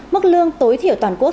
mức lương tối thiểu toàn quốc